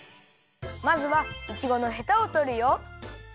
まずはいちごのヘタをとるよ。